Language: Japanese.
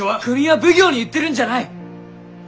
国や奉行に言ってるんじゃない。